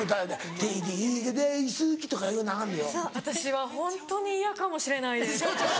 テディが大好き私はホントに嫌かもしれないです。